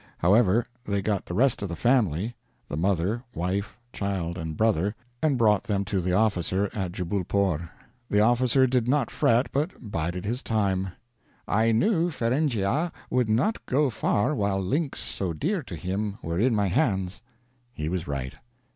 However, they got the rest of the family the mother, wife, child, and brother and brought them to the officer, at Jubbulpore; the officer did not fret, but bided his time: "I knew Feringhea would not go far while links so dear to him were in my hands." He was right.